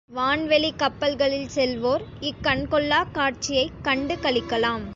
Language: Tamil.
வான்வெளிக் கப்பல்களில் செல்வோர் இக்கண்கொள்ளாக் காட்சியைக் கண்டு களிக்கலாம்.